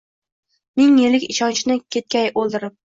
Ming yillik ishonchni ketgay o’ldirib.